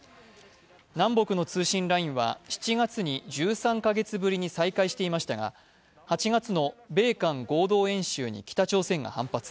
南北の通信ラインは７月に１３カ月ぶりに再開していましたが８月の米韓合同軍事演習に北朝鮮が反発。